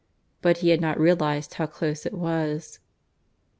But he had not realized how close it was.